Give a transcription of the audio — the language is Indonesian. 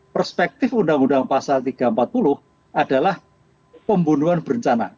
perspektif undang undang pasal tiga ratus empat puluh adalah pembunuhan berencana